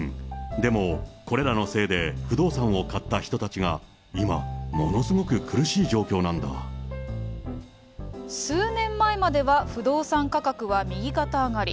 でもこれらのせいで不動産を買った人たちが今、ものす数年前までは不動産価格は右肩上がり。